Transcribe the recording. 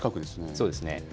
そうですね。